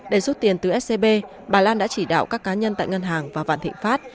để rút tiền từ scb bà lan đã chỉ đạo các cá nhân tại ngân hàng và vạn thịnh pháp